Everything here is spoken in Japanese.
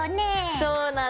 そうなの。